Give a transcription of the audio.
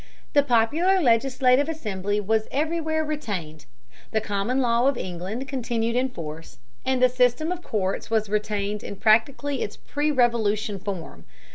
The popular legislative assembly was everywhere retained. The common law of England continued in force, and the system of courts was retained in practically its pre Revolution form.